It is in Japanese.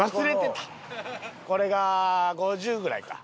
これが５０ぐらいか。